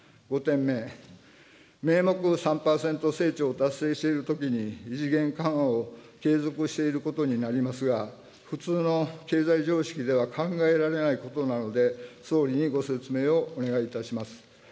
５点目、名目３％成長を達成しているときに、異次元緩和を継続していることになりますが、普通の経済常識では考えられないことなので、総理にご説明をお願いいたします。